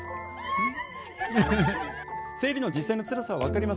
うん。